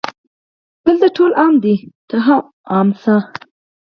دلته ټول عام دي ته هم عام شه